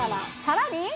さらに。